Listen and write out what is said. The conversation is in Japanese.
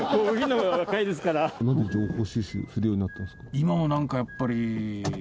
今も何かやっぱり。